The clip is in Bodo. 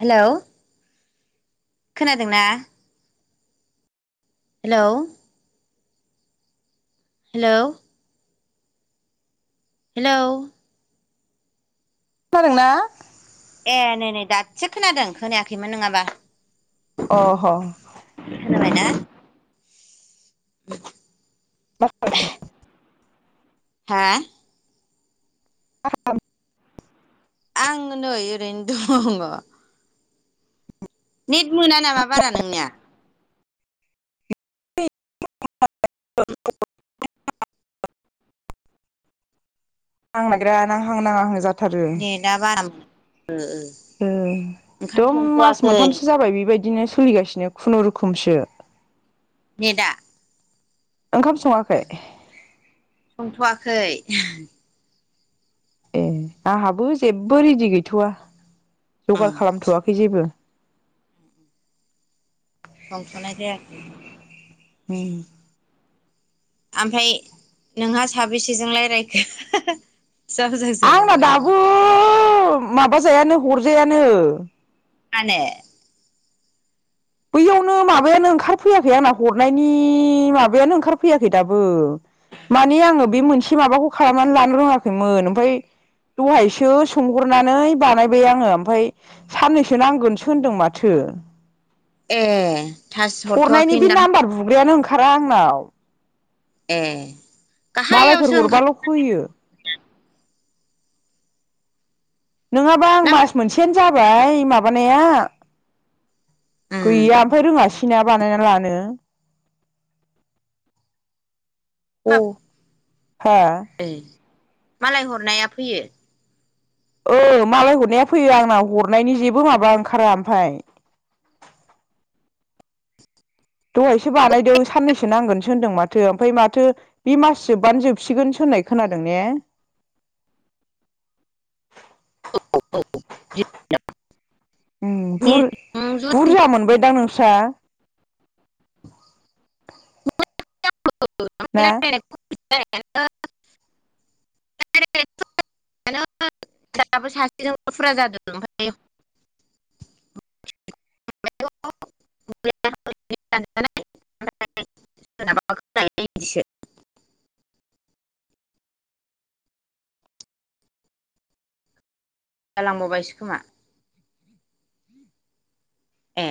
हेलौ खोनादोंना? हेलौ हेलौ हेलौ खोनादोंना? ए नै नै दासो खोनादों खोनायाखैमोन नोङाबा। अ ह ओ। [inaudible] [unintelligible] हा [unintelligible] आं नै ओरैनो दङ। नेट मोना नामा बारा नोंनिया? [unintelligible] [inaudible] नां नागिरा नांहां नाङाहां जाद थादो नेटआ बारा ओ ओंखाम दम मास संथ'वाखै मोनथामसो जाबाय बेबायदिनो सोलिगासिनो खुनुरुखुमसो। नेेदा ओंखाम सङाखै? खै। ए आंहाबो जेबो रेडि गैथ'आ। ओं जगार खालामथ'वाखै जेबो। संथ'नाय जायाखै। [unintelligible] आमफाय नोंहा साबेसेजों लायरायखो? [unintelligible] [unintelligible] माबाजायानो हरजायानो। मानो? बैयावनो माबायानो ओंखारफैयाखै आंना हरनायनि माबायानो ओंखारफैयाखै दाबो माने आङो बे मोनसे माबाखौ खालामनानै लानो रोङाखैमोन ओमफाय दहायसो सोंहरनानै बानायबाय आङो ओमफाय साननैसो नांगोनसो होनदों माथो। ए थास हरनायनि बे हरथ'वाखैदां नाम्बार बुग्रायानो ओंखा रा आंनाव। ए मालायफोर गाहायावसो ओंखार हरबाल' फैयो। नोंङाबा आं ना मा? मास मोनसेआनो जाबाय माब बानाया। उम गैया ओमफाय रोंङासै [unintelligible] बानायना लानो अ [inaudible] हा? ए मालाय हरनाया फैयो। ओ मालाय हरनाया फैयो आंनाव हरनायनि जेबो माबा ओंखारा ओमफाय। दहायसो बानायदों साननैसो नांगोनसो होनदों माथो ओमफ्राय माथो बे मास जोबबानो जोबसिगोनसो होननाय खोनादों ने। [unintelligible] उम बुर बुरजा मोनबायदां नोंसा? [inaudible] [unintelligible] [unintelligible] ना सासेजों फुरा जादों ओमफाय [unintelligible] बिदिसो जालांबावबायसो खोमा। ए